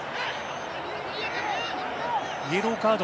イエローカード。